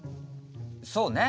そうね。